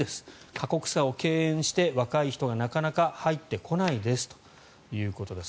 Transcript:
過酷さを敬遠して若い人がなかなか入ってこないですということです。